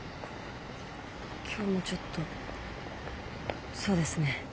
今日もちょっとそうですね。